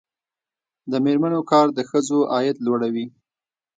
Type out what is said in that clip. د میرمنو کار د ښځو عاید لوړوي.